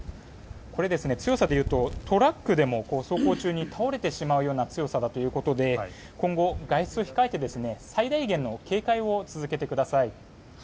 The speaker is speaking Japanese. これ、強さでいうとトラックでも走行中に倒れてしまうような強さだということで今後、外出を控えて最大限の警戒を続けてください。